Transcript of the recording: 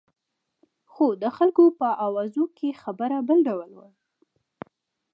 خو د خلکو په اوازو کې خبره بل ډول وه.